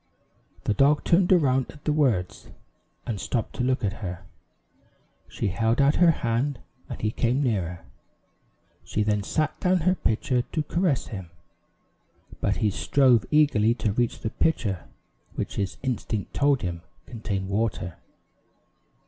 The dog turned around at the words, and stopped to look at her. She held out her hand, and he came nearer. She then set down her pitcher to caress him, but he strove eagerly to reach the pitcher which his instinct told him contained water.